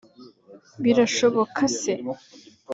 birashoboka se”